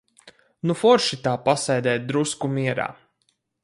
Nu forši tā pasēdēt drusku mierā.